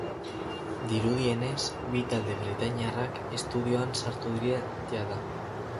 Dirudienez, bi talde britainiarrak estudioan sartu dira jada.